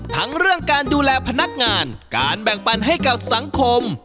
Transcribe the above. ทั้งเรื่องการดูแลพนักงานการแบ่งปันให้กับสังคม